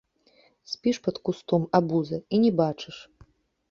Спіш пад кустом, абуза, і не бачыш!